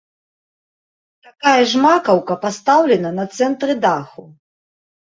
Такая ж макаўка пастаўлена па цэнтры даху.